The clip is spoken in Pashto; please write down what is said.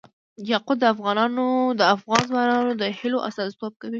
یاقوت د افغان ځوانانو د هیلو استازیتوب کوي.